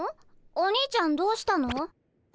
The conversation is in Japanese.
お兄ちゃんどうしたの？